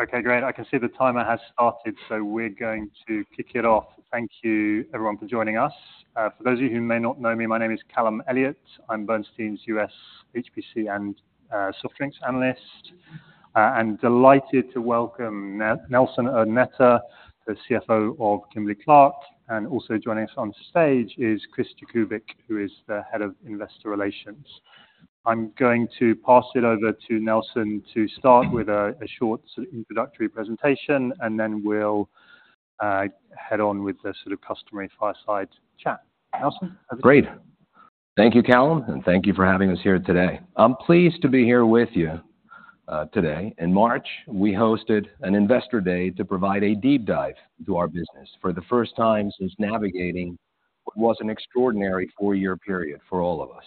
Okay, great. I can see the timer has started, so we're going to kick it off. Thank you everyone for joining us. For those of you who may not know me, my name is Callum Elliott. I'm Bernstein's US HPC and Soft Drinks analyst. I'm delighted to welcome Nelson Urdaneta, the CFO of Kimberly-Clark, and also joining us on stage is Chris Jakubik, who is the Head of Investor Relations. I'm going to pass it over to Nelson to start with a short sort of introductory presentation, and then we'll head on with the sort of customary fireside chat. Nelson, over to you. Great. Thank you, Callum, and thank you for having us here today. I'm pleased to be here with you, today. In March, we hosted an investor day to provide a deep dive into our business for the first time since navigating what was an extraordinary four-year period for all of us.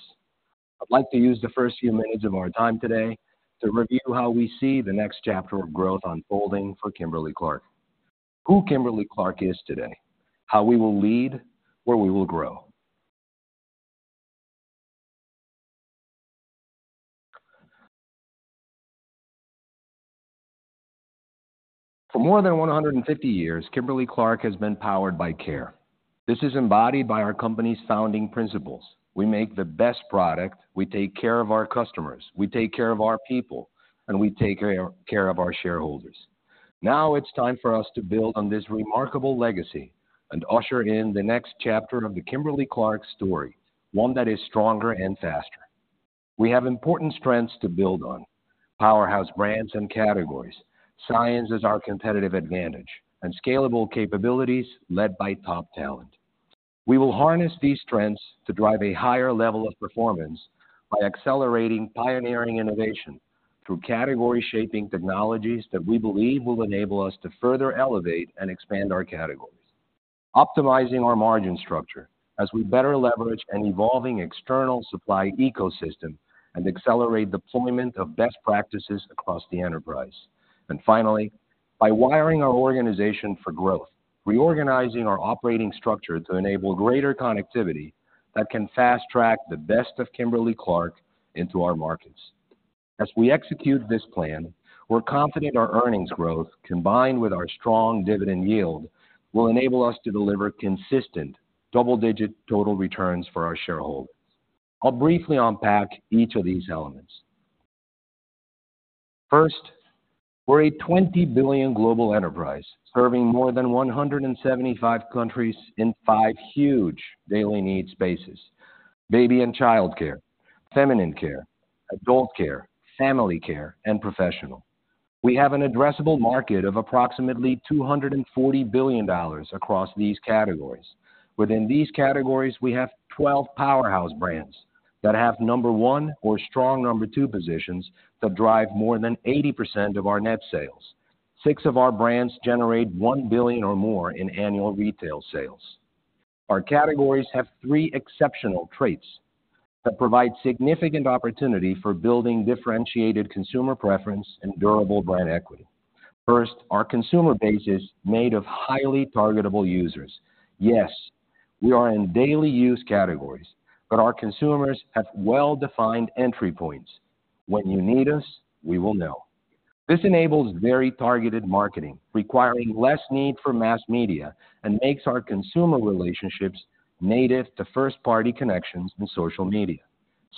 I'd like to use the first few minutes of our time today to review how we see the next chapter of growth unfolding for Kimberly-Clark. Who Kimberly-Clark is today, how we will lead, where we will grow. For more than 150 years, Kimberly-Clark has been powered by care. This is embodied by our company's founding principles. We make the best product, we take care of our customers, we take care of our people, and we take care, care of our shareholders. Now it's time for us to build on this remarkable legacy and usher in the next chapter of the Kimberly-Clark story, one that is stronger and faster. We have important strengths to build on: powerhouse brands and categories, science as our competitive advantage, and scalable capabilities led by top talent. We will harness these strengths to drive a higher level of performance by accelerating pioneering innovation through category-shaping technologies that we believe will enable us to further elevate and expand our categories. Optimizing our margin structure as we better leverage an evolving external supply ecosystem and accelerate deployment of best practices across the enterprise. And finally, by wiring our organization for growth, reorganizing our operating structure to enable greater connectivity that can fast-track the best of Kimberly-Clark into our markets. As we execute this plan, we're confident our earnings growth, combined with our strong dividend yield, will enable us to deliver consistent double-digit total returns for our shareholders. I'll briefly unpack each of these elements. First, we're a $20 billion global enterprise serving more than 175 countries in five huge daily need spaces: baby and childcare, feminine care, adult care, family care, and professional. We have an addressable market of approximately $240 billion across these categories. Within these categories, we have 12 powerhouse brands that have number 1 or strong number 2 positions that drive more than 80% of our net sales. Six of our brands generate $1 billion or more in annual retail sales. Our categories have three exceptional traits that provide significant opportunity for building differentiated consumer preference and durable brand equity. First, our consumer base is made of highly targetable users. Yes, we are in daily use categories, but our consumers have well-defined entry points. When you need us, we will know. This enables very targeted marketing, requiring less need for mass media, and makes our consumer relationships native to first-party connections in social media.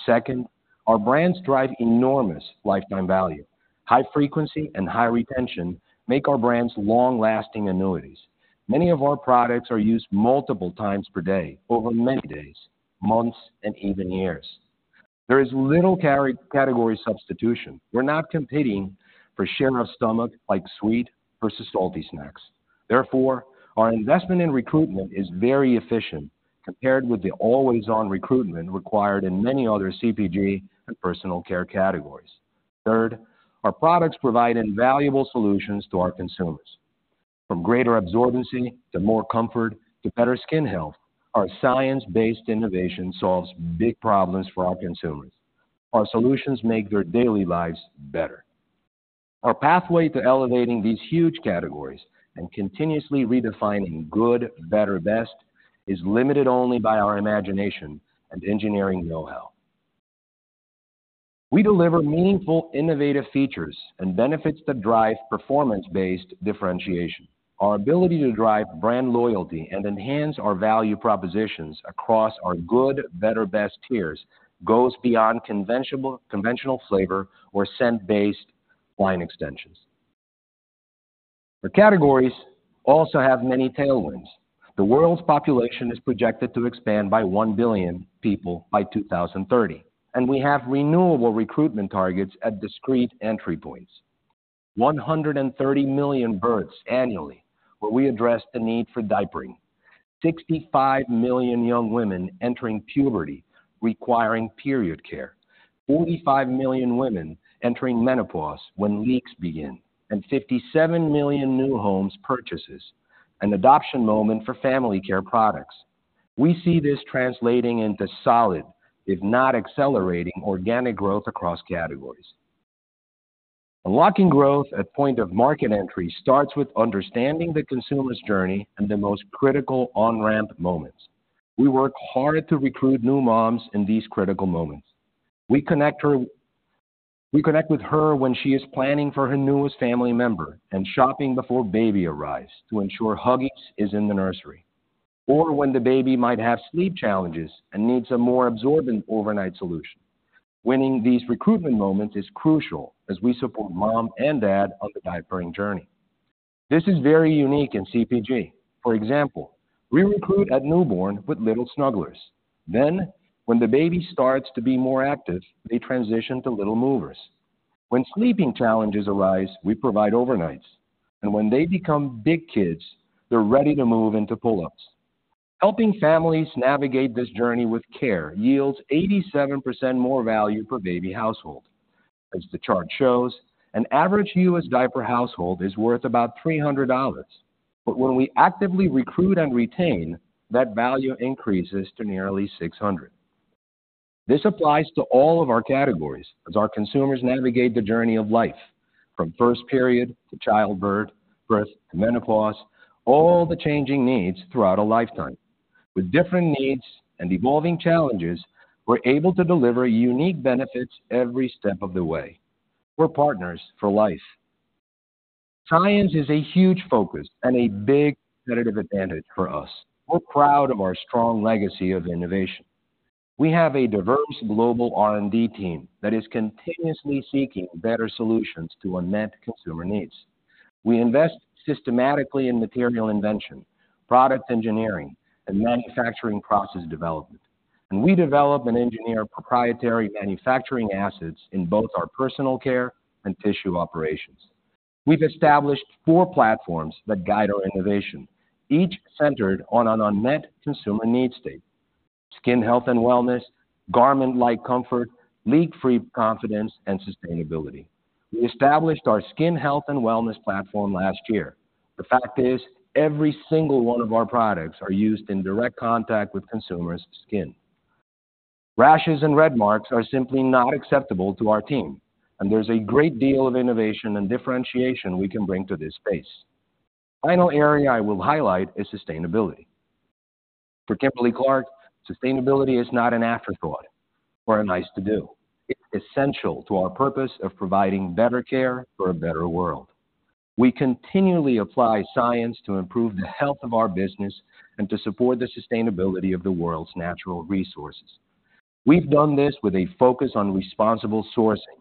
Second, our brands drive enormous lifetime value. High frequency and high retention make our brands long-lasting annuities. Many of our products are used multiple times per day, over many days, months, and even years. There is little cross-category substitution. We're not competing for share of stomach like sweet versus salty snacks. Therefore, our investment in recruitment is very efficient compared with the always-on recruitment required in many other CPG and personal care categories. Third, our products provide invaluable solutions to our consumers. From greater absorbency, to more comfort, to better skin health, our science-based innovation solves big problems for our consumers. Our solutions make their daily lives better. Our pathway to elevating these huge categories and continuously redefining good, better, best is limited only by our imagination and engineering know-how. We deliver meaningful, innovative features and benefits that drive performance-based differentiation. Our ability to drive brand loyalty and enhance our value propositions across our good, better, best tiers goes beyond conventional flavor or scent-based line extensions. The categories also have many tailwinds. The world's population is projected to expand by 1 billion people by 2030, and we have renewable recruitment targets at discrete entry points. 130 million births annually, where we address the need for diapering. 65 million young women entering puberty, requiring period care. 45 million women entering menopause when leaks begin, and 57 million new home purchases, an adoption moment for family care products. We see this translating into solid, if not accelerating, organic growth across categories. Unlocking growth at point of market entry starts with understanding the consumer's journey and the most critical on-ramp moments. We work hard to recruit new moms in these critical moments. We connect with her when she is planning for her newest family member and shopping before baby arrives to ensure Huggies is in the nursery, or when the baby might have sleep challenges and needs a more absorbent overnight solution. Winning these recruitment moments is crucial as we support mom and dad on the diapering journey. This is very unique in CPG. For example, we recruit at newborn with Little Snugglers. Then, when the baby starts to be more active, they transition to Little Movers. When sleeping challenges arise, we provide Overnites, and when they become big kids, they're ready to move into Pull-Ups. Helping families navigate this journey with care yields 87% more value per baby household. As the chart shows, an average U.S. diaper household is worth about $300, but when we actively recruit and retain, that value increases to nearly $600. This applies to all of our categories as our consumers navigate the journey of life, from first period to childbirth, birth to menopause, all the changing needs throughout a lifetime. With different needs and evolving challenges, we're able to deliver unique benefits every step of the way. We're partners for life. Science is a huge focus and a big competitive advantage for us. We're proud of our strong legacy of innovation. We have a diverse global R&D team that is continuously seeking better solutions to unmet consumer needs. We invest systematically in material invention, product engineering, and manufacturing process development, and we develop and engineer proprietary manufacturing assets in both our personal care and tissue operations. We've established four platforms that guide our innovation, each centered on an unmet consumer need state: skin health and wellness, garment-like comfort, leak-free confidence, and sustainability. We established our skin health and wellness platform last year. The fact is, every single one of our products are used in direct contact with consumers' skin. Rashes and red marks are simply not acceptable to our team, and there's a great deal of innovation and differentiation we can bring to this space. Final area I will highlight is sustainability. For Kimberly-Clark, sustainability is not an afterthought or a nice-to-do. It's essential to our purpose of providing better care for a better world. We continually apply science to improve the health of our business and to support the sustainability of the world's natural resources. We've done this with a focus on responsible sourcing,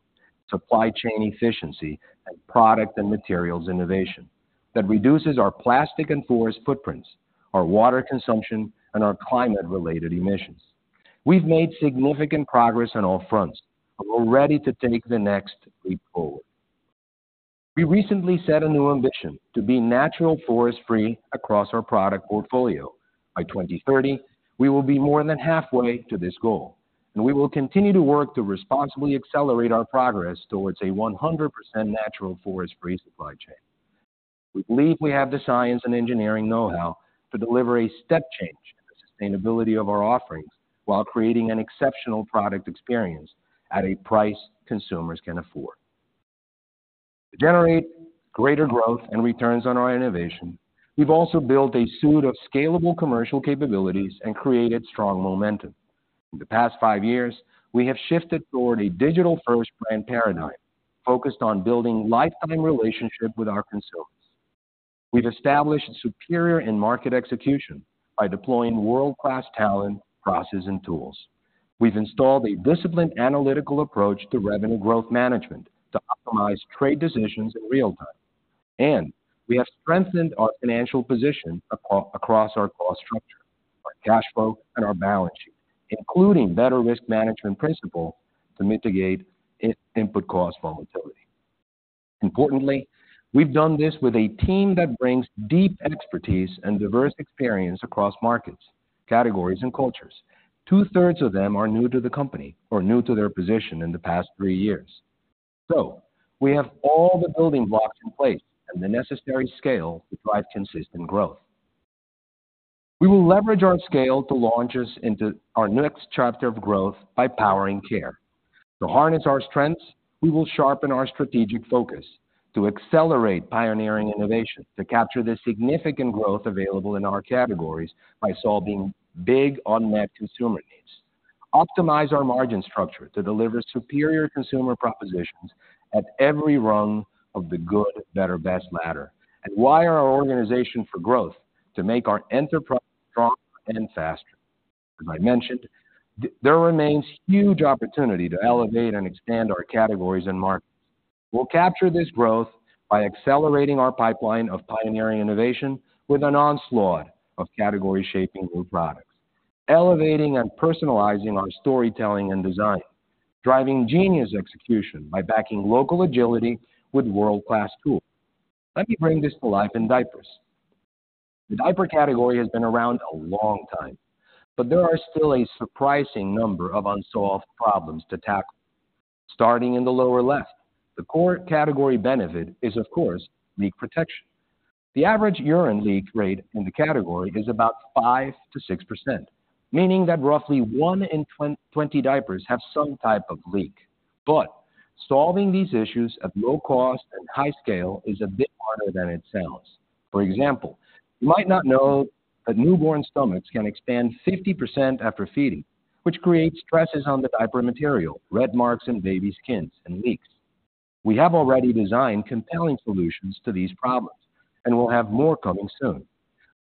supply chain efficiency, and product and materials innovation that reduces our plastic and forest footprints, our water consumption, and our climate-related emissions. We've made significant progress on all fronts, and we're ready to take the next leap forward. We recently set a new ambition to be natural forest-free across our product portfolio. By 2030, we will be more than halfway to this goal, and we will continue to work to responsibly accelerate our progress towards a 100% natural forest-free supply chain. We believe we have the science and engineering know-how to deliver a step change in the sustainability of our offerings while creating an exceptional product experience at a price consumers can afford. To generate greater growth and returns on our innovation, we've also built a suite of scalable commercial capabilities and created strong momentum. In the past five years, we have shifted toward a digital-first brand paradigm focused on building lifetime relationship with our consumers. We've established superior in-market execution by deploying world-class talent, processes, and tools. We've installed a disciplined analytical approach to revenue growth management to optimize trade decisions in real time, and we have strengthened our financial position across our cost structure, our cash flow, and our balance sheet, including better risk management principle to mitigate input cost volatility. Importantly, we've done this with a team that brings deep expertise and diverse experience across markets, categories, and cultures. Two-thirds of them are new to the company or new to their position in the past three years. So we have all the building blocks in place and the necessary scale to drive consistent growth. We will leverage our scale to launch us into our next chapter of growth by powering care. To harness our strengths, we will sharpen our strategic focus to accelerate pioneering innovation, to capture the significant growth available in our categories by solving big unmet consumer needs, optimize our margin structure to deliver superior consumer propositions at every rung of the good, better, best ladder, and wire our organization for growth to make our enterprise stronger and faster. As I mentioned, there remains huge opportunity to elevate and expand our categories and markets. We'll capture this growth by accelerating our pipeline of pioneering innovation with an onslaught of category-shaping new products, elevating and personalizing our storytelling and design, driving genius execution by backing local agility with world-class tools. Let me bring this to life in diapers. The diaper category has been around a long time, but there are still a surprising number of unsolved problems to tackle. Starting in the lower left, the core category benefit is, of course, leak protection. The average urine leak rate in the category is about 5%-6%, meaning that roughly one in 20 diapers have some type of leak. But solving these issues at low cost and high scale is a bit harder than it sounds. For example, you might not know that newborn stomachs can expand 50% after feeding, which creates stresses on the diaper material, red marks on baby's skins, and leaks. We have already designed compelling solutions to these problems, and we'll have more coming soon.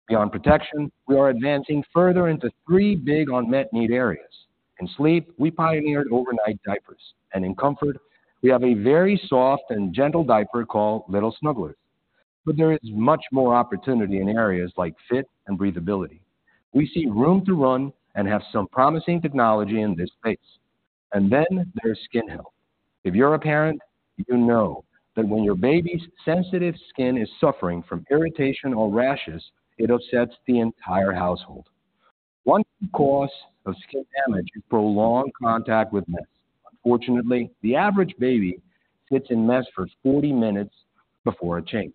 Beyond protection, we are advancing further into three big unmet need areas. In sleep, we pioneered overnight diapers, and in comfort, we have a very soft and gentle diaper called Little Snugglers. But there is much more opportunity in areas like fit and breathability. We see room to run and have some promising technology in this space. And then there's skin health. If you're a parent, you know that when your baby's sensitive skin is suffering from irritation or rashes, it upsets the entire household. One cause of skin damage is prolonged contact with mess. Unfortunately, the average baby sits in mess for 40 minutes before a change.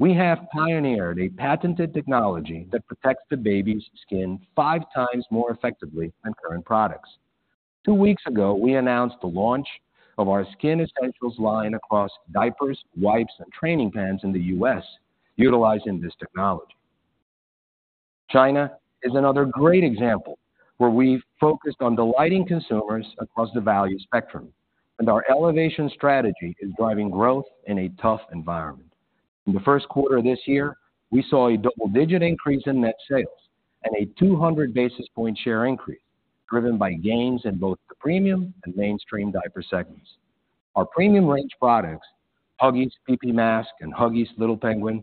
We have pioneered a patented technology that protects the baby's skin 5 times more effectively than current products. 2 weeks ago, we announced the launch of our Skin Essentials line across diapers, wipes, and training pants in the U.S., utilizing this technology. China is another great example, where we've focused on delighting consumers across the value spectrum, and our Elevate strategy is driving growth in a tough environment. In the first quarter of this year, we saw a double-digit increase in net sales and a 200 basis point share increase, driven by gains in both the premium and mainstream diaper segments. Our premium range products, Huggies Black Mask and Huggies Little Penguin,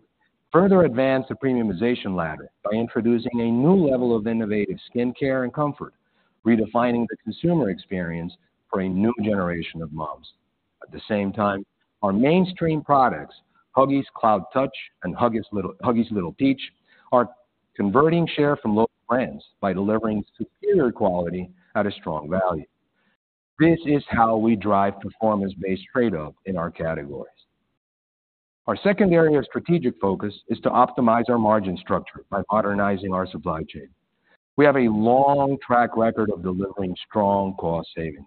further advance the premiumization ladder by introducing a new level of innovative skin care and comfort, redefining the consumer experience for a new generation of moms. At the same time, our mainstream products, Huggies Cloud Touch and Huggies Little Peach, are converting share from local brands by delivering superior quality at a strong value. This is how we drive performance-based trade-off in our categories. Our second area of strategic focus is to optimize our margin structure by modernizing our supply chain. We have a long track record of delivering strong cost savings,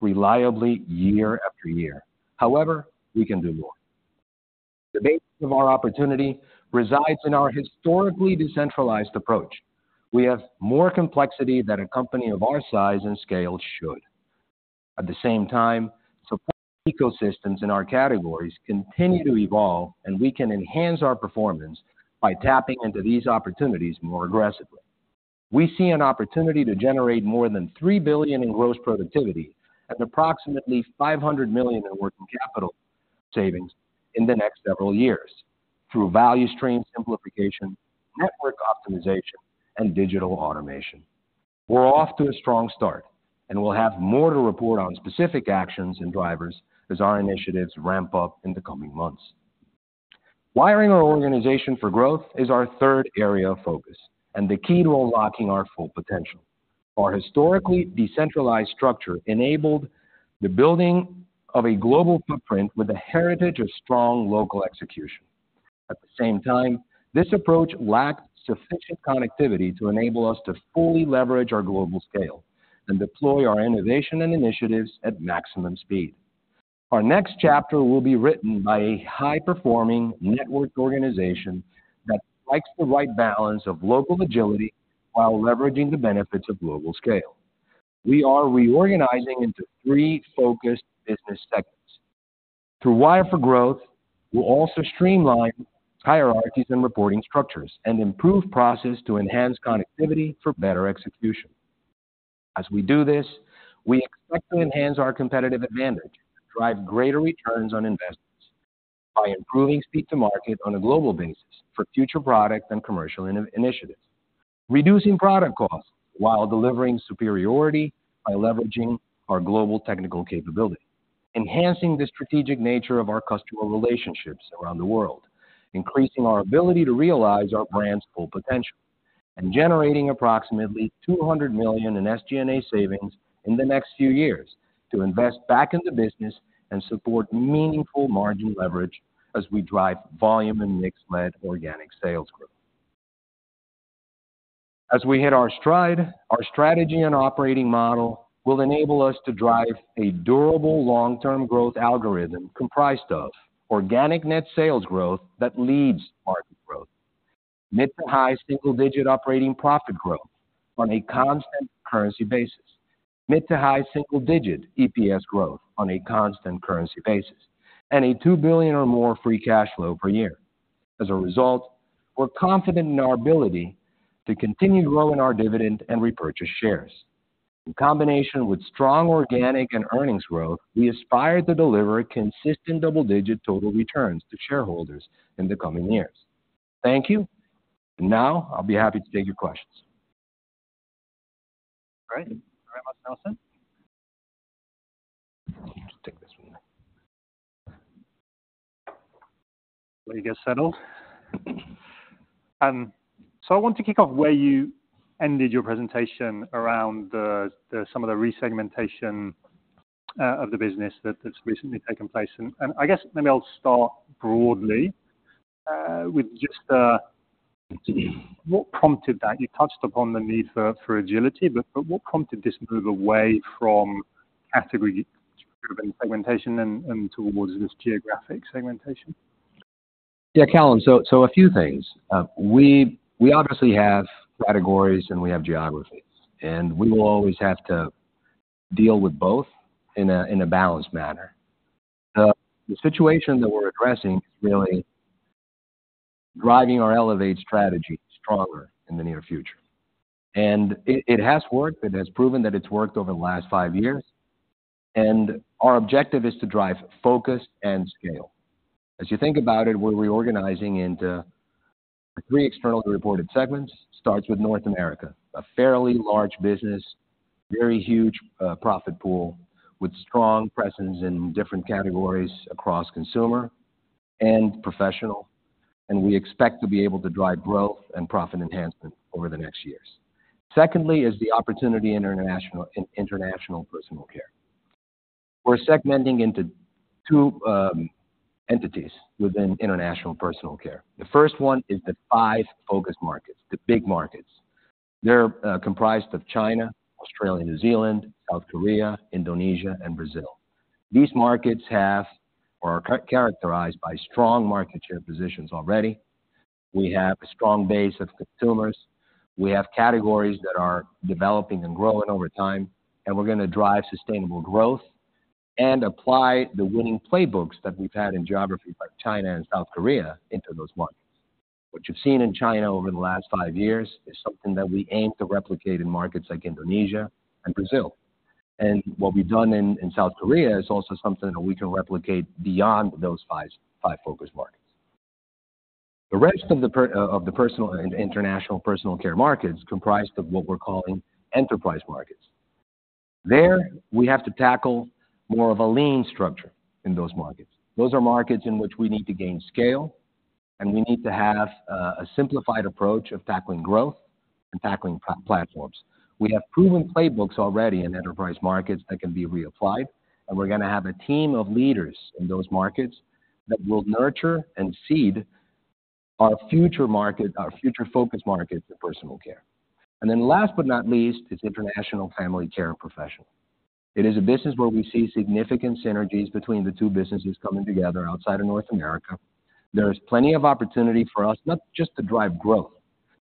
reliably year after year. However, we can do more. The base of our opportunity resides in our historically decentralized approach. We have more complexity than a company of our size and scale should. At the same time, support ecosystems in our categories continue to evolve, and we can enhance our performance by tapping into these opportunities more aggressively. We see an opportunity to generate more than $3 billion in gross productivity and approximately $500 million in working capital savings in the next several years through value stream simplification, network optimization, and digital automation. We're off to a strong start, and we'll have more to report on specific actions and drivers as our initiatives ramp up in the coming months. Wiring our organization for growth is our third area of focus and the key to unlocking our full potential. Our historically decentralized structure enabled the building of a global footprint with a heritage of strong local execution. At the same time, this approach lacks sufficient connectivity to enable us to fully leverage our global scale and deploy our innovation and initiatives at maximum speed. Our next chapter will be written by a high-performing, networked organization that strikes the right balance of local agility while leveraging the benefits of global scale. We are reorganizing into three focused business segments. Through Wire for Growth, we'll also streamline hierarchies and reporting structures and improve process to enhance connectivity for better execution. As we do this, we expect to enhance our competitive advantage, drive greater returns on investments by improving speed to market on a global basis for future products and commercial initiatives, reducing product costs while delivering superiority by leveraging our global technical capability, enhancing the strategic nature of our customer relationships around the world, increasing our ability to realize our brand's full potential, and generating approximately $200 million in SG&A savings in the next few years to invest back in the business and support meaningful margin leverage as we drive volume and mix-led organic sales growth. As we hit our stride, our strategy and operating model will enable us to drive a durable long-term growth algorithm comprised of organic net sales growth that leads market growth, mid- to high single-digit operating profit growth on a constant currency basis, mid- to high single-digit EPS growth on a constant currency basis, and $2 billion or more free cash flow per year. As a result, we're confident in our ability to continue growing our dividend and repurchase shares. In combination with strong organic and earnings growth, we aspire to deliver consistent double-digit total returns to shareholders in the coming years. Thank you. Now, I'll be happy to take your questions. All right, Great, Nelson? Let's take this one. Let me get settled. So I want to kick off where you ended your presentation around the some of the resegmentation of the business that's recently taken place. And I guess maybe I'll start broadly with just what prompted that? You touched upon the need for agility, but what prompted this move away from category-driven segmentation and towards this geographic segmentation? Yeah, Callum. So, so a few things. We obviously have categories, and we have geographies, and we will always have to deal with both in a balanced manner. The situation that we're addressing is really driving our Elevate strategy stronger in the near future. And it has worked, it has proven that it's worked over the last five years, and our objective is to drive focus and scale. As you think about it, we're reorganizing into three externally reported segments, starts with North America, a fairly large business, very huge profit pool, with strong presence in different categories across consumer and professional, and we expect to be able to drive growth and profit enhancement over the next years. Secondly, is the opportunity in International Personal Care. We're segmenting into two entities within International Personal Care. The first one is the five focus markets, the big markets. They're comprised of China, Australia, New Zealand, South Korea, Indonesia, and Brazil. These markets have or are characterized by strong market share positions already. We have a strong base of consumers, we have categories that are developing and growing over time, and we're gonna drive sustainable growth and apply the winning playbooks that we've had in geographies like China and South Korea into those markets. What you've seen in China over the last five years is something that we aim to replicate in markets like Indonesia and Brazil. And what we've done in South Korea is also something that we can replicate beyond those five, five focus markets. The rest of the personal and International Personal Care markets comprised of what we're calling Enterprise Markets. There, we have to tackle more of a lean structure in those markets. Those are markets in which we need to gain scale, and we need to have a simplified approach of tackling growth and tackling platforms. We have proven playbooks already in Enterprise Markets that can be reapplied, and we're gonna have a team of leaders in those markets that will nurture and seed our future market, our future focus markets in personal care. And then last but not least, is International Family Care and Professional. It is a business where we see significant synergies between the two businesses coming together outside of North America. There is plenty of opportunity for us, not just to drive growth,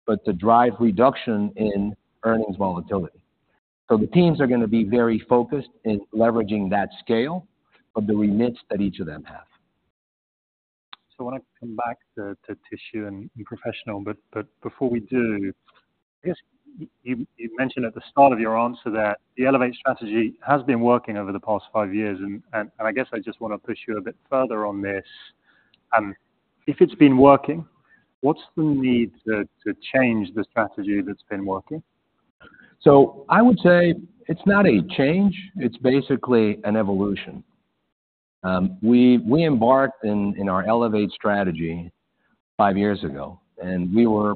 but to drive reduction in earnings volatility. So the teams are gonna be very focused in leveraging that scale of the remits that each of them have. So I wanna come back to tissue and professional, but before we do, I guess you mentioned at the start of your answer that the Elevate strategy has been working over the past five years, and I guess I just wanna push you a bit further on this. If it's been working, what's the need to change the strategy that's been working? So I would say it's not a change. It's basically an evolution. We embarked in our Elevate strategy 5 years ago, and we were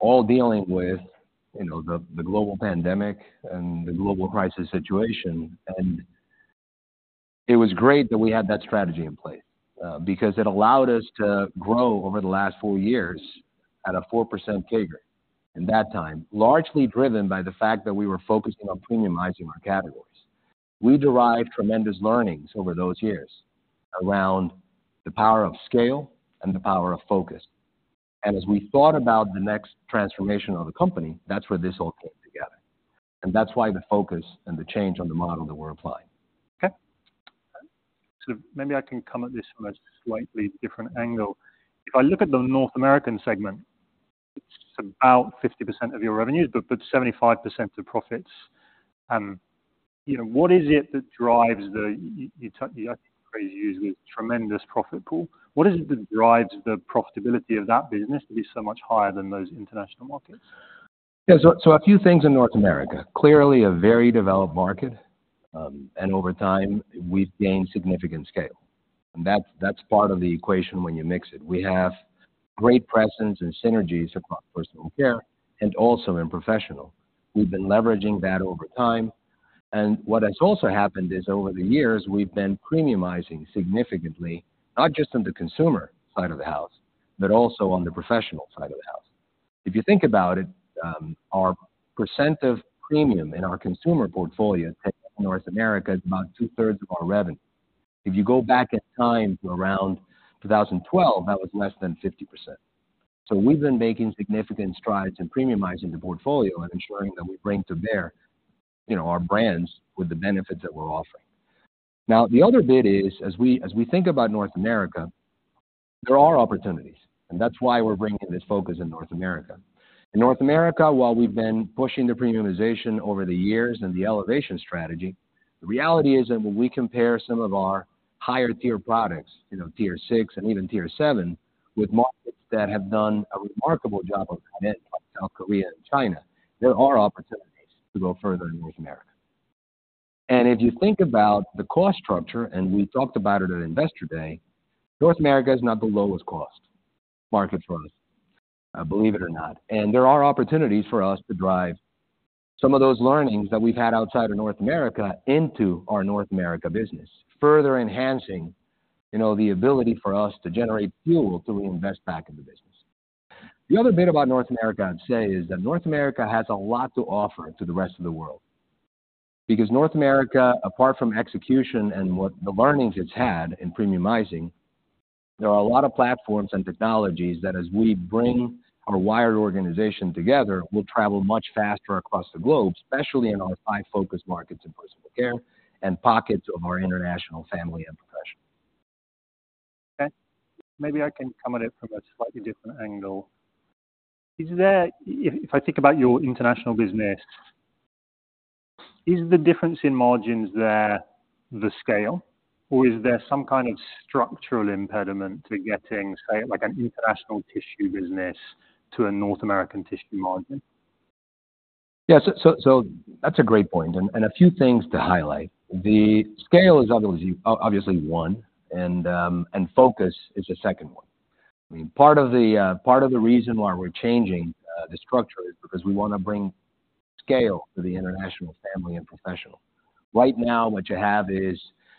all dealing with, you know, the global pandemic and the global crisis situation. It was great that we had that strategy in place, because it allowed us to grow over the last 4 years at a 4% CAGR in that time, largely driven by the fact that we were focusing on premiumizing our categories. We derived tremendous learnings over those years around the power of scale and the power of focus. As we thought about the next transformation of the company, that's where this all came together, and that's why the focus and the change on the model that we're applying. Okay. So maybe I can come at this from a slightly different angle. If I look at the North American segment, it's about 50% of your revenues, but 75% of profits. You know, what is it that drives the... You used the phrase "tremendously tremendous profit pool." What is it that drives the profitability of that business to be so much higher than those international markets? Yeah. So, so a few things in North America. Clearly, a very developed market, and over time, we've gained significant scale, and that's, that's part of the equation when you mix it. We have great presence and synergies across personal care and also in professional. We've been leveraging that over time. And what has also happened is, over the years, we've been premiumizing significantly, not just on the consumer side of the house, but also on the professional side of the house. If you think about it, our percent of premium in our consumer portfolio, take North America, is about two-thirds of our revenue. If you go back in time to around 2012, that was less than 50%. So we've been making significant strides in premiumizing the portfolio and ensuring that we bring to bear, you know, our brands with the benefits that we're offering. Now, the other bit is, as we think about North America, there are opportunities, and that's why we're bringing this focus in North America. In North America, while we've been pushing the premiumization over the years and the elevation strategy, the reality is that when we compare some of our higher-tier products, you know, tier six and even tier seven, with markets that have done a remarkable job of it, like South Korea and China, there are opportunities to go further in North America. And if you think about the cost structure, and we talked about it at Investor Day, North America is not the lowest cost market for us. Believe it or not, and there are opportunities for us to drive some of those learnings that we've had outside of North America into our North America business, further enhancing, you know, the ability for us to generate fuel to reinvest back in the business. The other bit about North America, I'd say, is that North America has a lot to offer to the rest of the world. Because North America, apart from execution and what the learnings it's had in premiumizing, there are a lot of platforms and technologies that as we bring our wired organization together, will travel much faster across the globe, especially in our high-focus markets in personal care and pockets of our International Family and Professional. Okay. Maybe I can come at it from a slightly different angle. If I think about your international business, is the difference in margins there the scale, or is there some kind of structural impediment to getting, say, like an international tissue business to a North American tissue margin? Yes, so that's a great point, and a few things to highlight. The scale is obviously one, and focus is the second one. I mean, part of the reason why we're changing the structure is because we want to bring scale to the International Family Care and Professional. Right now, what you have is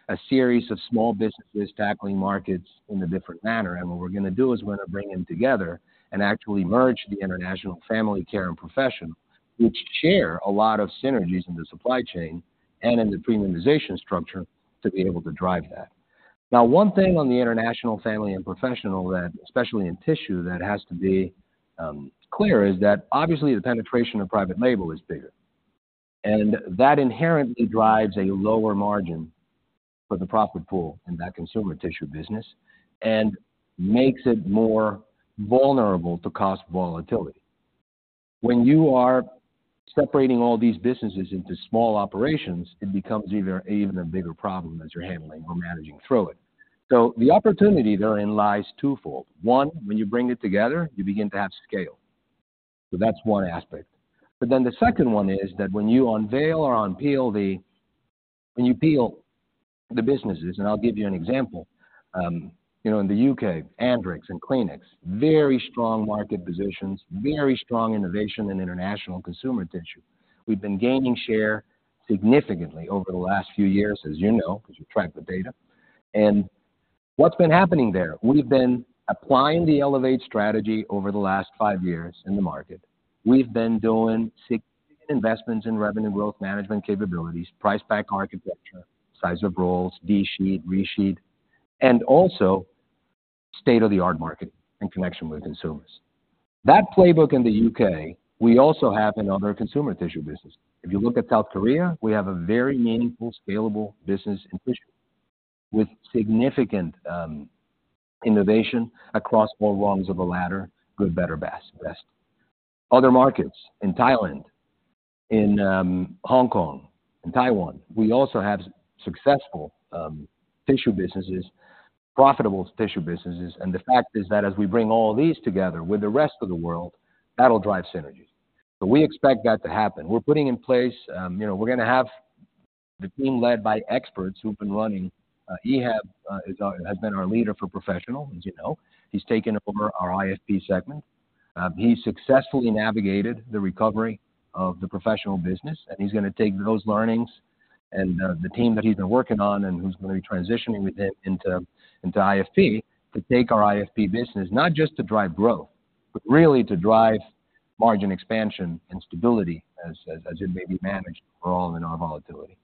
a series of small businesses tackling markets in a different manner, and what we're going to do is we're going to bring them together and actually merge the International Family Care and Professional, which share a lot of synergies in the supply chain and in the premiumization structure to be able to drive that. Now, one thing on the International Family Care and Professional that, especially in tissue, that has to be clear, is that obviously the penetration of private label is bigger. That inherently drives a lower margin for the profit pool in that consumer tissue business and makes it more vulnerable to cost volatility. When you are separating all these businesses into small operations, it becomes even, even a bigger problem as you're handling or managing through it. So the opportunity therein lies twofold. One, when you bring it together, you begin to have scale. So that's one aspect. But then the second one is that when you peel the businesses, and I'll give you an example. You know, in the U.K., Andrex and Kleenex, very strong market positions, very strong innovation in international consumer tissue. We've been gaining share significantly over the last few years, as you know, because you've tracked the data. And what's been happening there? We've been applying the Elevate strategy over the last five years in the market. We've been doing significant investments in revenue growth management capabilities, price-pack architecture, size of rolls, de-sheet, re-sheet, and also state-of-the-art marketing in connection with consumers. That playbook in the U.K., we also have in other consumer tissue business. If you look at South Korea, we have a very meaningful, scalable business in tissue, with significant innovation across all rungs of the ladder, good, better, best. Other markets in Thailand, in Hong Kong, in Taiwan, we also have successful tissue businesses, profitable tissue businesses, and the fact is that as we bring all these together with the rest of the world, that'll drive synergies. So we expect that to happen. We're putting in place, you know, we're gonna have the team led by experts who've been running. Ehab has been our leader for professional, as you know. He's taken over our IFP segment. He successfully navigated the recovery of the professional business, and he's gonna take those learnings and the team that he's been working on and who's gonna be transitioning with him into IFP, to take our IFP business, not just to drive growth, but really to drive margin expansion and stability as it may be managed overall in our volatility.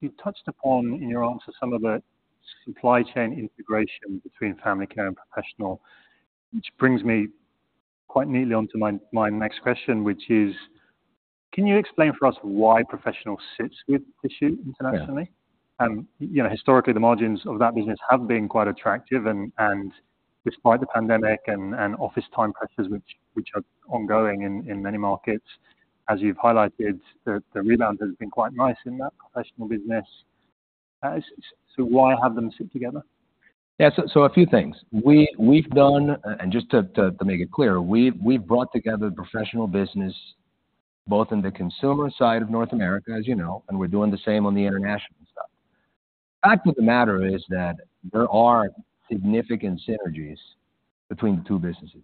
You touched upon, in your answer, some of the supply chain integration between family care and professional, which brings me quite neatly onto my, my next question, which is: Can you explain for us why professional sits with tissue internationally? Yeah. You know, historically, the margins of that business have been quite attractive, and despite the pandemic and office time pressures, which are ongoing in many markets, as you've highlighted, the rebound has been quite nice in that professional business. So why have them sit together? Yeah, so a few things. We've done, and just to make it clear, we've brought together professional business, both in the consumer side of North America, as you know, and we're doing the same on the international side. The fact of the matter is that there are significant synergies between the two businesses.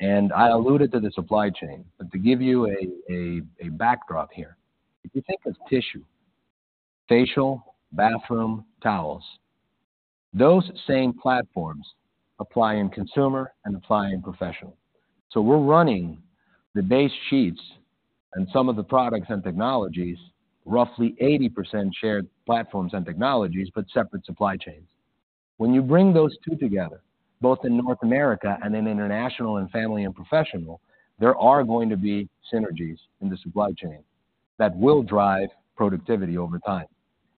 And I alluded to the supply chain, but to give you a backdrop here, if you think of tissue, facial, bathroom towels, those same platforms apply in consumer and apply in professional. So we're running the base sheets and some of the products and technologies, roughly 80% shared platforms and technologies, but separate supply chains. When you bring those two together, both in North America and in international and family and professional, there are going to be synergies in the supply chain that will drive productivity over time,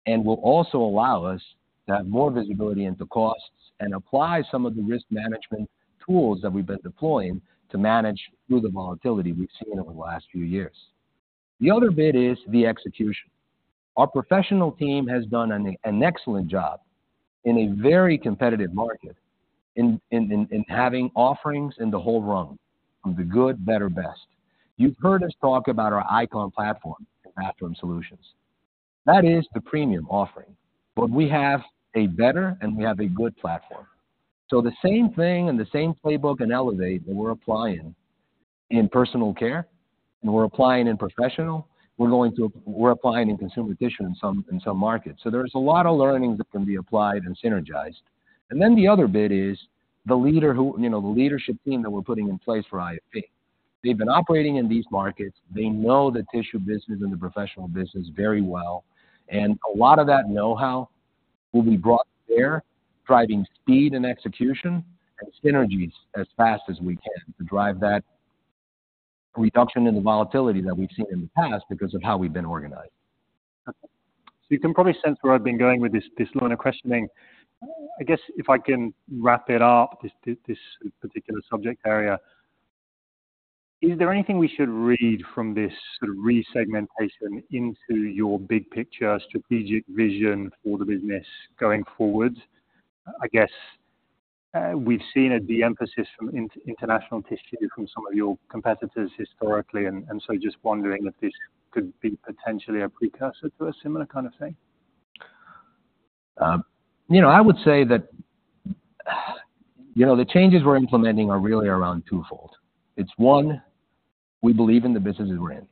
and will also allow us to have more visibility into costs and apply some of the risk management tools that we've been deploying to manage through the volatility we've seen over the last few years. The other bit is the execution. Our professional team has done an excellent job in a very competitive market in having offerings in the whole rung, from the good, better, best. You've heard us talk about our Icon platform in Bathroom Solutions. That is the premium offering, but we have a better and we have a good platform. So the same thing and the same playbook in Elevate that we're applying in personal care, and we're applying in professional, we're applying in consumer tissue in some markets. So there's a lot of learnings that can be applied and synergized. And then the other bit is the leader who, you know, the leadership team that we're putting in place for IFP. They've been operating in these markets. They know the tissue business and the professional business very well, and a lot of that know-how will be brought there, driving speed and execution and synergies as fast as we can to drive that reduction in the volatility that we've seen in the past because of how we've been organized. So you can probably sense where I've been going with this, this line of questioning. I guess if I can wrap it up, this, this particular subject area, is there anything we should read from this sort of resegmentation into your big picture, strategic vision for the business going forward? I guess, we've seen it, the emphasis from international tissue from some of your competitors historically, and, and so just wondering if this could be potentially a precursor to a similar kind of thing. You know, I would say that, you know, the changes we're implementing are really around twofold. It's one, we believe in the businesses we're in.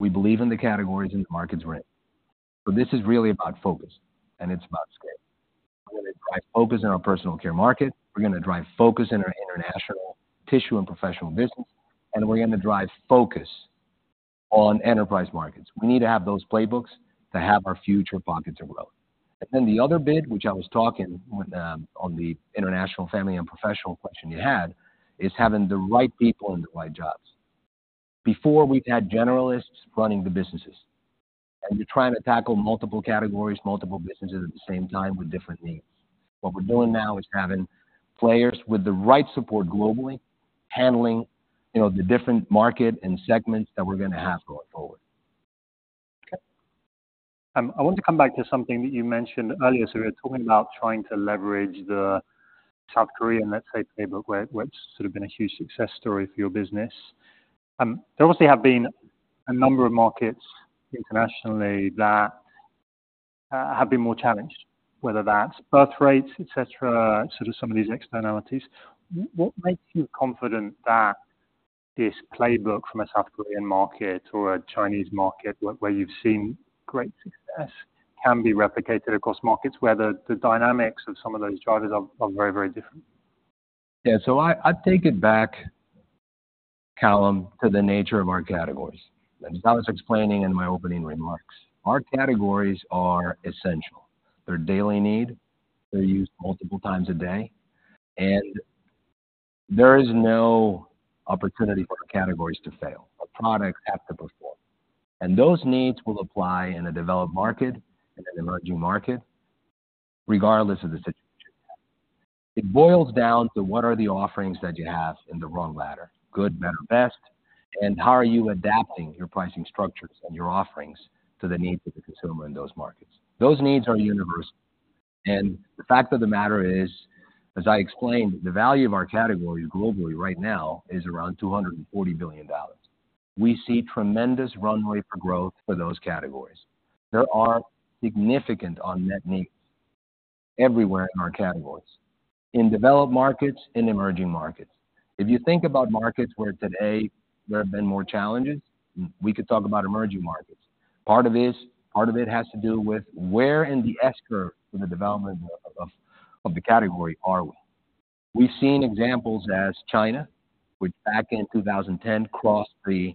We believe in the categories and the markets we're in. So this is really about focus, and it's about scale. We're gonna drive focus in our personal care market. We're gonna drive focus in our international tissue and professional business, and we're gonna drive focus on Enterprise Markets. We need to have those playbooks to have our future pockets of growth. And then the other bit, which I was talking with, on the International Family and Professional question you had, is having the right people in the right jobs. Before, we've had generalists running the businesses, and you're trying to tackle multiple categories, multiple businesses at the same time with different needs. What we're doing now is having players with the right support globally, handling, you know, the different market and segments that we're gonna have going forward. Okay. I want to come back to something that you mentioned earlier. So we were talking about trying to leverage the South Korean, let's say, playbook, which has sort of been a huge success story for your business. There obviously have been a number of markets internationally that have been more challenged, whether that's birth rates, et cetera, sort of some of these externalities. What makes you confident that this playbook from a South Korean market or a Chinese market where you've seen great success can be replicated across markets, where the dynamics of some of those drivers are very, very different? Yeah. So I take it back, Callum, to the nature of our categories, and as I was explaining in my opening remarks, our categories are essential. They're daily need. They're used multiple times a day, and there is no opportunity for the categories to fail. Our products have to perform, and those needs will apply in a developed market, in an emerging market, regardless of the situation. It boils down to what are the offerings that you have in the rung ladder: good, better, best, and how are you adapting your pricing structures and your offerings to the needs of the consumer in those markets? Those needs are universal, and the fact of the matter is, as I explained, the value of our categories globally right now is around $240 billion. We see tremendous runway for growth for those categories. There are significant unmet needs everywhere in our categories, in developed markets, in emerging markets. If you think about markets where today there have been more challenges, we could talk about emerging markets. Part of this, part of it has to do with where in the S-curve of the development of the category are we? We've seen examples as China, which back in 2010, crossed the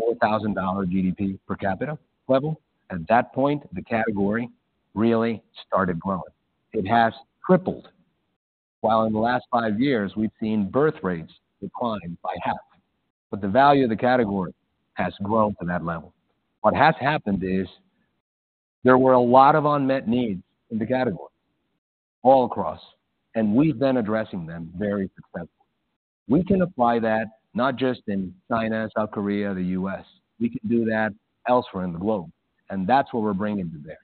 $4,000 GDP per capita level. At that point, the category really started growing. It has tripled, while in the last 5 years we've seen birth rates decline by half, but the value of the category has grown to that level. What has happened is there were a lot of unmet needs in the category all across, and we've been addressing them very successfully. We can apply that not just in China, South Korea, the U.S. We can do that elsewhere in the globe, and that's what we're bringing to bear.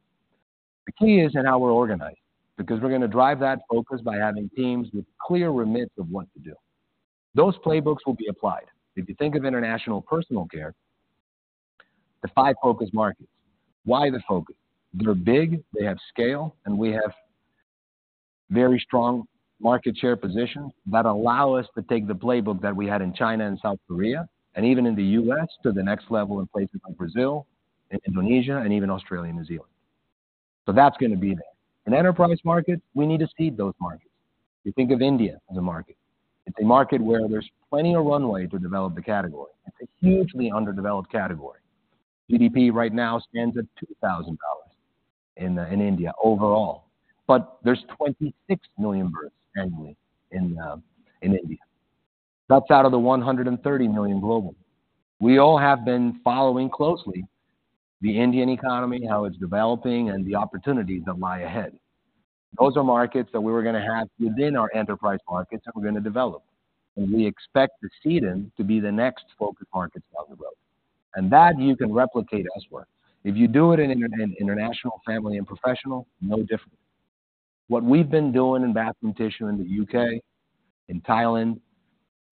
The key is in how we're organized, because we're gonna drive that focus by having teams with clear remits of what to do. Those playbooks will be applied. If you think of International Personal Care, the five focus markets, why the focus? They're big, they have scale, and we have very strong market share position that allow us to take the playbook that we had in China and South Korea, and even in the U.S., to the next level in places like Brazil and Indonesia and even Australia and New Zealand. So that's gonna be there. In Enterprise Markets, we need to seed those markets. You think of India as a market. It's a market where there's plenty of runway to develop the category. It's a hugely underdeveloped category. GDP right now stands at $2,000 in India overall, but there's 26 million births annually in India. That's out of the 130 million global. We all have been following closely the Indian economy, how it's developing, and the opportunities that lie ahead. Those are markets that we're gonna have within our Enterprise Markets that we're gonna develop, and we expect to see them to be the next focus markets down the road. And that you can replicate elsewhere. If you do it in International Family and Professional, no different. What we've been doing in bathroom tissue in the U.K., in Thailand,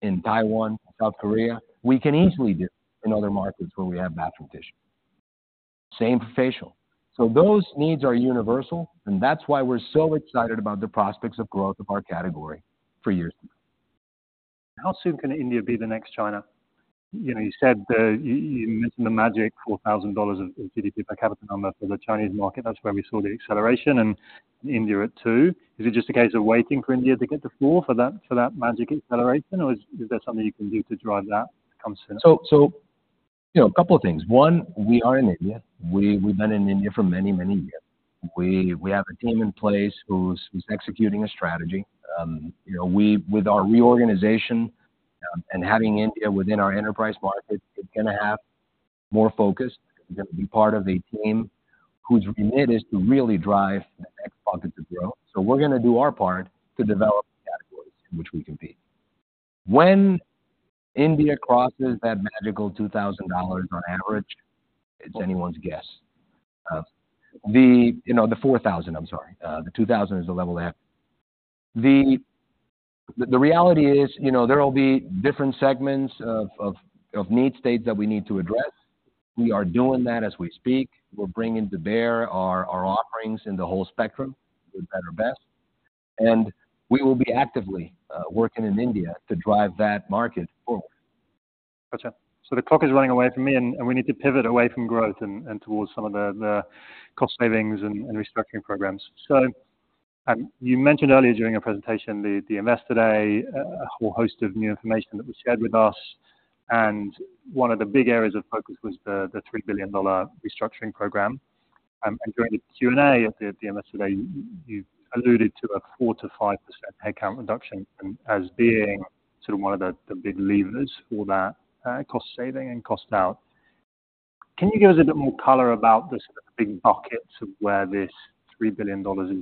in Taiwan, South Korea, we can easily do in other markets where we have bathroom tissue. Same for facial. Those needs are universal, and that's why we're so excited about the prospects of growth of our category for years to come. How soon can India be the next China? You know, you mentioned the magic $4,000 of GDP per capita number for the Chinese market. That's where we saw the acceleration and India at $2,000. Is it just a case of waiting for India to get to $4,000 for that magic acceleration, or is there something you can do to drive that to come sooner? So, you know, a couple of things. One, we are in India. We've been in India for many, many years. We have a team in place who's executing a strategy. You know, with our reorganization, and having India within our enterprise market, it's gonna have more focus. It's gonna be part of a team whose remit is to really drive the next pocket of growth. So we're gonna do our part to develop the categories in which we compete. When India crosses that magical $2,000 on average, it's anyone's guess. You know, the $2,000 is the level half. The reality is, you know, there will be different segments of need states that we need to address. We are doing that as we speak. We're bringing to bear our offerings in the whole spectrum, good, better, best, and we will be actively working in India to drive that market forward. Gotcha. So the clock is running away from me, and we need to pivot away from growth and towards some of the cost savings and restructuring programs. So, you mentioned earlier during your presentation, the Investor Day, a whole host of new information that was shared with us, and one of the big areas of focus was the $3 billion restructuring program. And during the Q&A at the Investor Day, you alluded to a 4%-5% headcount reduction as being sort of one of the big levers for that, cost saving and cost out. Can you give us a bit more color about the sort of big buckets of where this $3 billion is gonna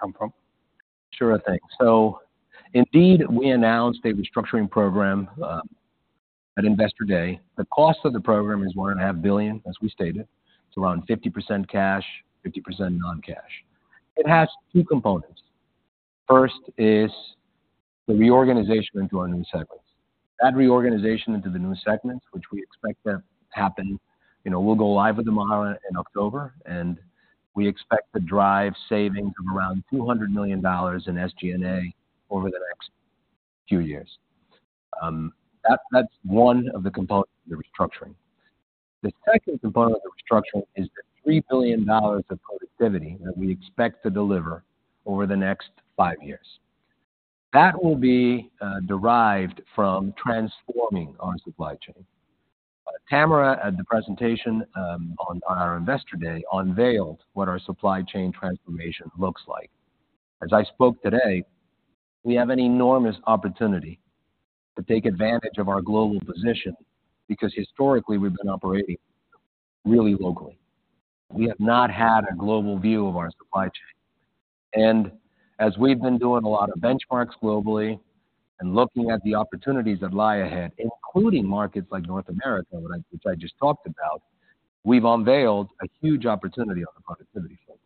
come from? Sure thing. So indeed, we announced a restructuring program at Investor Day. The cost of the program is $1.5 billion, as we stated. It's around 50% cash, 50% non-cash. It has two components. First is the reorganization into our new segments. That reorganization into the new segments, which we expect to happen. You know, we'll go live with the model in October, and we expect to drive savings of around $200 million in SG&A over the next few years. That, that's one of the components of the restructuring. The second component of the restructuring is the $3 billion of productivity that we expect to deliver over the next 5 years. That will be derived from transforming our supply chain. Tamera, at the presentation on our Investor Day, unveiled what our supply chain transformation looks like. As I spoke today, we have an enormous opportunity to take advantage of our global position because historically we've been operating really locally. We have not had a global view of our supply chain. As we've been doing a lot of benchmarks globally and looking at the opportunities that lie ahead, including markets like North America, which I just talked about, we've unveiled a huge opportunity on the productivity front.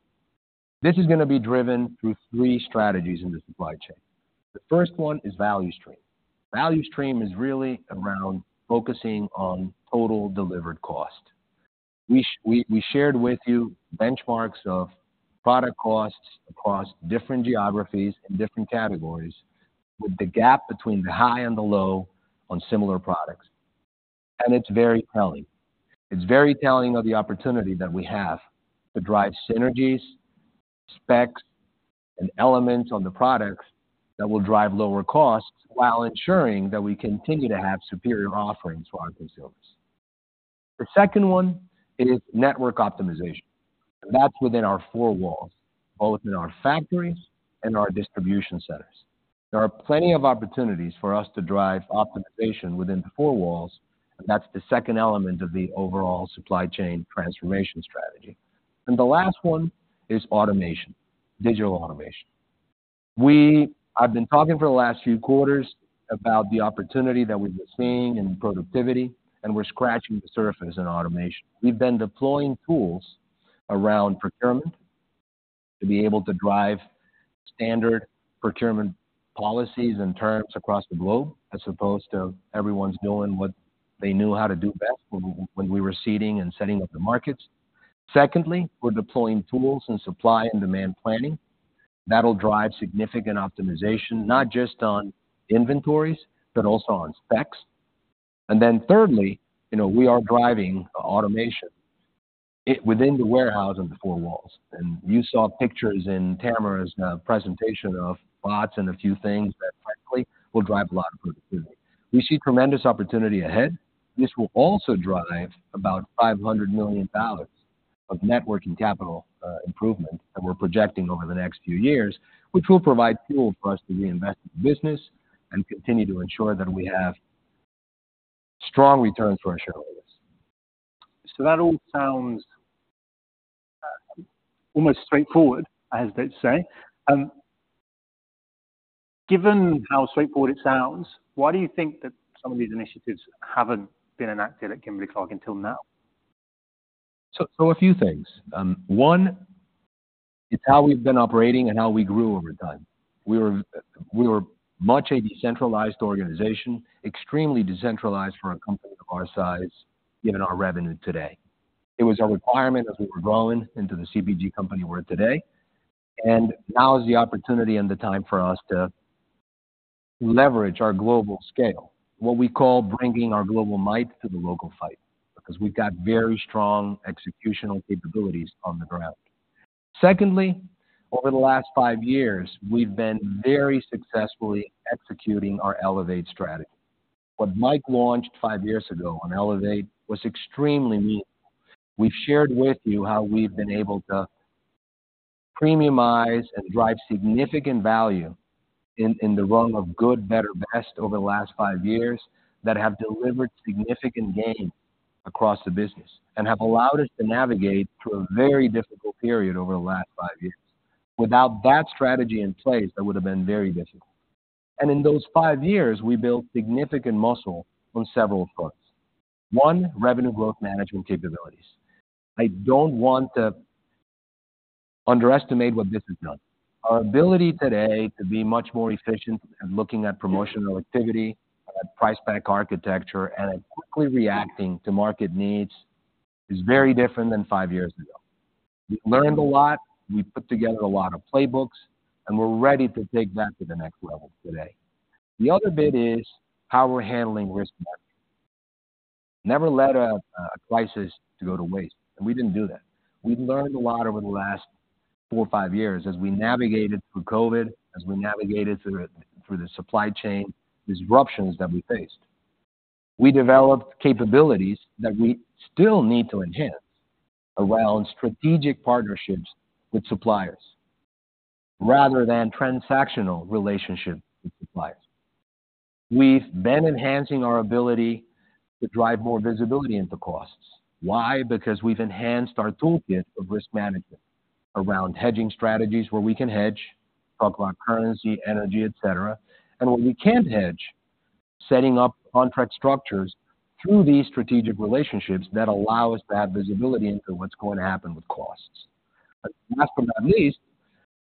This is gonna be driven through three strategies in the supply chain. The first one is value stream. Value stream is really around focusing on total delivered cost. We shared with you benchmarks of product costs across different geographies and different categories, with the gap between the high and the low on similar products, and it's very telling. It's very telling of the opportunity that we have to drive synergies, specs, and elements on the products that will drive lower costs while ensuring that we continue to have superior offerings to our consumers. The second one is network optimization, and that's within our four walls, both in our factories and our distribution centers. There are plenty of opportunities for us to drive optimization within the four walls, and that's the second element of the overall supply chain transformation strategy. And the last one is automation, digital automation. We've been talking for the last few quarters about the opportunity that we've been seeing in productivity, and we're scratching the surface in automation. We've been deploying tools around procurement to be able to drive standard procurement policies and terms across the globe, as opposed to everyone's doing what they knew how to do best when we were seeding and setting up the markets. Secondly, we're deploying tools and supply and demand planning. That'll drive significant optimization, not just on inventories, but also on specs. And then thirdly, you know, we are driving automation within the warehouse and the four walls. And you saw pictures in Tamera's presentation of bots and a few things that frankly, will drive a lot of productivity. We see tremendous opportunity ahead. This will also drive about $500 million of net working capital improvement that we're projecting over the next few years, which will provide fuel for us to reinvest in the business and continue to ensure that we have strong returns for our shareholders. So that all sounds almost straightforward, as they say. Given how straightforward it sounds, why do you think that some of these initiatives haven't been enacted at Kimberly-Clark until now? So, so a few things. One, it's how we've been operating and how we grew over time. We were much a decentralized organization, extremely decentralized for a company of our size, given our revenue today. It was a requirement as we were growing into the CPG company we're today, and now is the opportunity and the time for us to leverage our global scale, what we call bringing our global might to the local fight, because we've got very strong executional capabilities on the ground. Secondly, over the last 5 years, we've been very successfully executing our Elevate strategy. What Mike launched 5 years ago on Elevate was extremely meaningful. We've shared with you how we've been able to premiumize and drive significant value in the realm of good, better, best over the last five years that have delivered significant gains across the business and have allowed us to navigate through a very difficult period over the last five years. Without that strategy in place, that would have been very difficult. In those five years, we built significant muscle on several fronts. One, revenue growth management capabilities. I don't want to underestimate what this has done. Our ability today to be much more efficient in looking at promotional activity, at price-pack architecture, and at quickly reacting to market needs is very different than five years ago. We've learned a lot, we've put together a lot of playbooks, and we're ready to take that to the next level today. The other bit is how we're handling risk management. Never let a crisis go to waste, and we didn't do that. We've learned a lot over the last four or five years as we navigated through COVID, as we navigated through the, through the supply chain disruptions that we faced. We developed capabilities that we still need to enhance around strategic partnerships with suppliers, rather than transactional relationships with suppliers. We've been enhancing our ability to drive more visibility into costs. Why? Because we've enhanced our toolkit of risk management around hedging strategies, where we can hedge, talk about currency, energy, et cetera. And where we can't hedge, setting up contract structures through these strategic relationships that allow us to have visibility into what's going to happen with costs. But last but not least,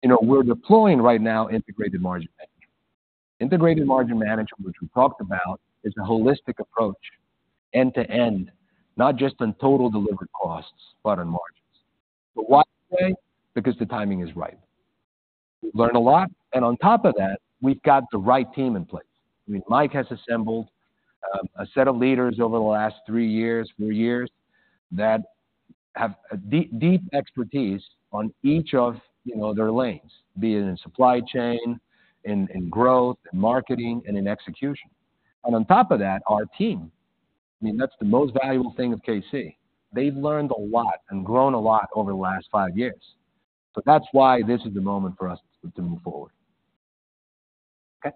you know, we're deploying right now Integrated Margin Management. Integrated Margin Management, which we talked about, is a holistic approach, end-to-end, not just on total delivered costs, but on margins. But why today? Because the timing is right. We've learned a lot, and on top of that, we've got the right team in place. I mean, Mike has assembled a set of leaders over the last 3 years, 4 years, that have a deep, deep expertise on each of, you know, their lanes, be it in supply chain, in growth, in marketing, and in execution. And on top of that, our team, I mean, that's the most valuable thing of K-C. They've learned a lot and grown a lot over the last 5 years. So that's why this is the moment for us to move forward. Okay.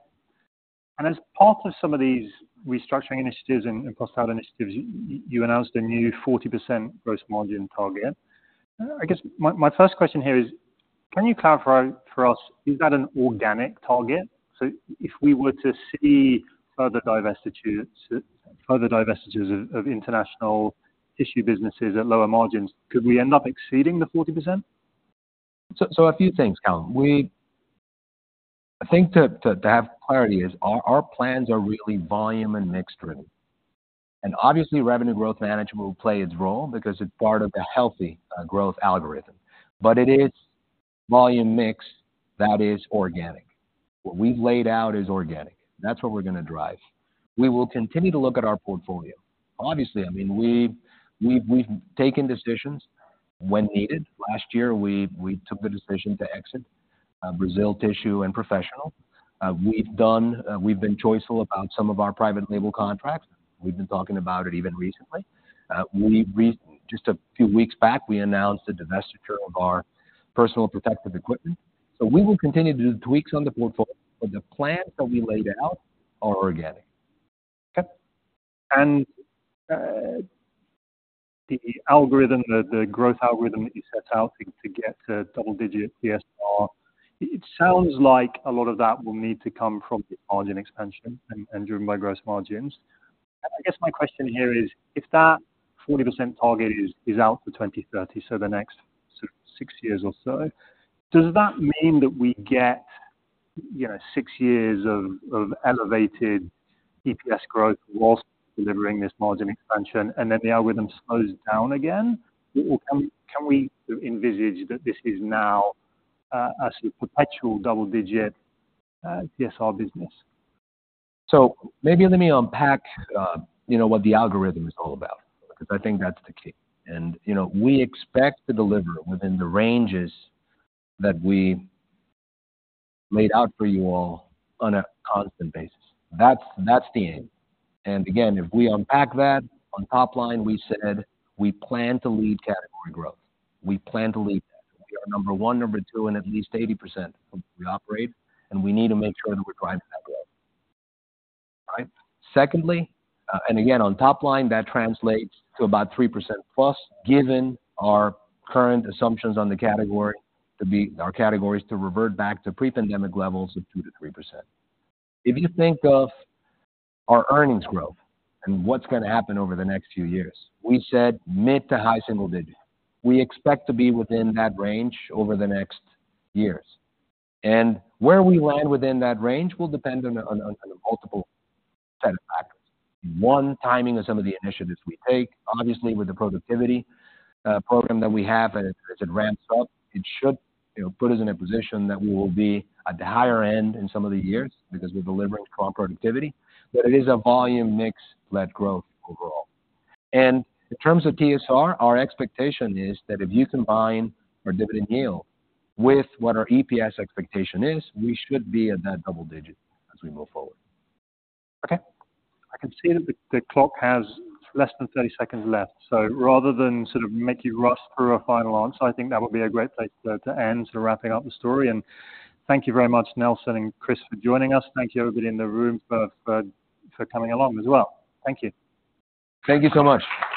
And as part of some of these restructuring initiatives and cost out initiatives, you announced a new 40% gross margin target. I guess my first question here is: Can you clarify for us, is that an organic target? So if we were to see further divestitures of international tissue businesses at lower margins, could we end up exceeding the 40%? So a few things, Callum. I think, to have clarity, our plans are really volume and mix driven. And obviously, revenue growth management will play its role because it's part of a healthy growth algorithm. But it is volume mix that is organic. What we've laid out is organic. That's what we're gonna drive. We will continue to look at our portfolio. Obviously, I mean, we've taken decisions when needed. Last year, we took the decision to exit Brazil Tissue and Professional. We've been choiceful about some of our private label contracts. We've been talking about it even recently. Just a few weeks back, we announced the divestiture of our personal protective equipment. So we will continue to do tweaks on the portfolio, but the plans that we laid out are organic. Okay. The algorithm, the growth algorithm that you set out to get to double-digit TSR, it sounds like a lot of that will need to come from the margin expansion and driven by gross margins. I guess my question here is, if that 40% target is out for 2030, so the next sort of six years or so, does that mean that we get, you know, six years of elevated EPS growth while delivering this margin expansion, and then the algorithm slows down again? Or can we envisage that this is now a perpetual double-digit TSR business? So maybe let me unpack, you know, what the algorithm is all about, because I think that's the key. And, you know, we expect to deliver within the ranges that we laid out for you all on a constant basis. That's, that's the aim. And again, if we unpack that, on top line, we said we plan to lead category growth. We plan to lead that. We are number 1, number 2, in at least 80% of where we operate, and we need to make sure that we're driving that growth. Right? Secondly, and again, on top line, that translates to about 3%+, given our current assumptions on the category our categories to revert back to pre-pandemic levels of 2%-3%. If you think of our earnings growth and what's gonna happen over the next few years, we said mid- to high-single-digit. We expect to be within that range over the next years. And where we land within that range will depend on a multiple set of factors. One, timing of some of the initiatives we take. Obviously, with the productivity program that we have, as it ramps up, it should, you know, put us in a position that we will be at the higher end in some of the years, because we're delivering strong productivity, but it is a volume mix-led growth overall. And in terms of TSR, our expectation is that if you combine our dividend yield with what our EPS expectation is, we should be at that double-digit as we move forward. Okay. I can see that the clock has less than 30 seconds left, so rather than sort of make you rush through a final answer, I think that would be a great place to end, sort of wrapping up the story. And thank you very much, Nelson and Chris, for joining us. Thank you, everybody in the room for coming along as well. Thank you. Thank you so much.